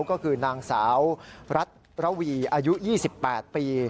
ก็คือนางสาวรัฐระวีอายุ๒๘ปี